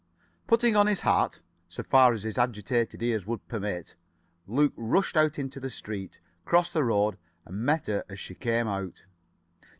Putting on his hat, so far as his agitated ears would permit, Luke rushed out into the street, crossed the road, and met her as she came out.